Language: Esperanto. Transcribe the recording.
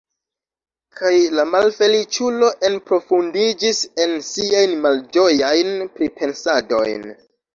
Kaj la malfeliĉulo enprofundiĝis en siajn malĝojajn pripensadojn.